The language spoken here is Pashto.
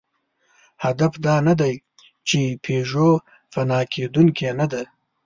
هدف دا نهدی، چې پيژو فنا کېدونکې نهده.